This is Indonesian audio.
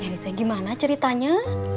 ya dite gimana ceritanya